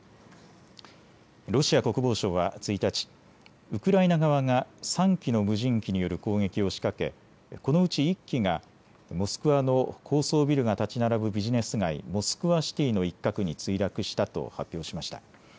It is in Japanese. ロシア国防省は１日、ウクライナ側が３機の無人機による攻撃を仕掛けこのうち１機がモスクワの高層ビルが建ち並ぶビジネス街、モスクワシティの一角に墜落したと発表しました。